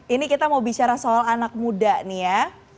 ini kita mau bicara soal anak muda nih ya